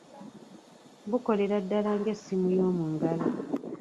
Bukolera ddala ng'essimu y'omu ngalo.